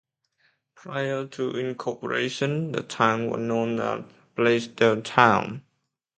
Prior to incorporation the town was known as "Blaisdelltown".